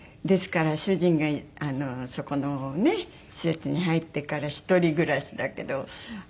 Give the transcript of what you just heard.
ですから主人がそこのねえ施設に入ってから一人暮らしだけど。